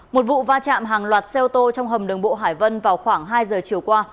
một vụ va chạm hàng loạt xe ô tô trong hầm đường bộ hải vân vào khoảng hai giờ chiều qua